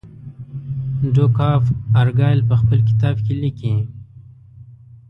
ډوک آف ارګایل په خپل کتاب کې لیکي.